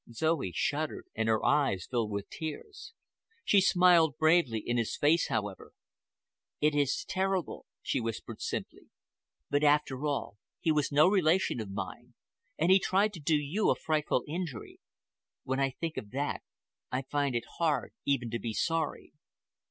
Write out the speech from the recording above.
Zoe shuddered, and her eyes filled with tears. She smiled bravely in his face, however. "It is terrible," she whispered simply, "but, after all, he was no relation of mine, and he tried to do you a frightful injury. When I think of that, I find it hard even to be sorry."